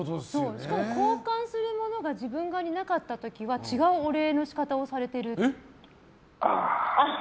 しかも、交換するものが自分になかった時は違うお礼の仕方をされている？